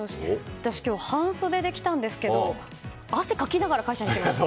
私、今日は半袖で来たんですけど汗をかきながら会社に来ました。